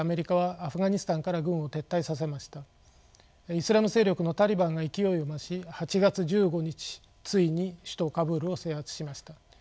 イスラム勢力のタリバンが勢いを増し８月１５日ついに首都カブールを制圧しました。